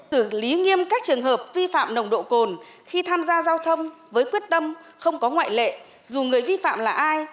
từ lý nghiêm các trường hợp vi phạm nồng độ cồn khi tham gia giao thông với quyết tâm không có ngoại lệ dù người vi phạm là ai